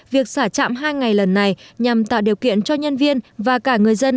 việc xả chạm hai ngày lần này nhằm tạo điều kiện cho nhân viên và cả người dân